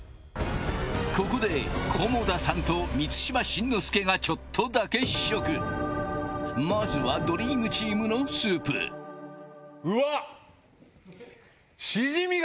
ここで菰田さんと満島真之介がちょっとだけ試食まずはドリームチームのスープうわっ！